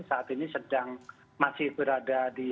saat ini sedang masih berada di